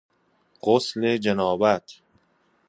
غسل جنابت